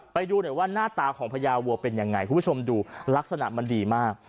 ไปดูหน่อยว่าหน้าตาของพญาวัวเป็นยังไงคุณผู้ชมดูลักษณะมันดีมาก